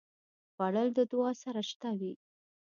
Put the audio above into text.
خوړل د دعا سره شته وي